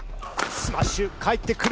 スマッシュ、返ってくる。